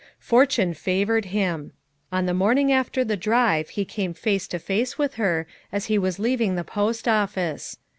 Fortune favored him; on the morning after the drive he came face to face with her as he was leaving the post office.